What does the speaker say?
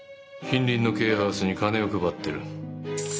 近隣のケアハウスに金を配ってる。